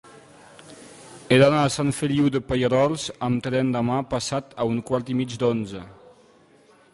He d'anar a Sant Feliu de Pallerols amb tren demà passat a un quart i mig d'onze.